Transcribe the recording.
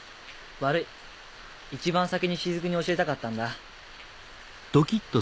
悪い一番先に雫に教えたかったんだ。